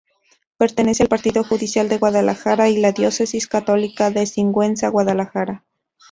Pertenece al partido judicial de Guadalajara y a la diócesis católica de Sigüenza-Guadalajara.